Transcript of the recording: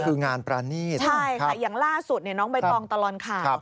คืองานประณีย์นะครับใช่ค่ะอย่างล่าสุดเนี่ยน้องบาร์กรองตลังข่าว